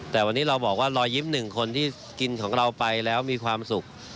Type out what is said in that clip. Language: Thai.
แต่วันนี้เราบอกว่ารอยยิ้มหนึ่งคนที่กินของเราไปแล้วมีความสุข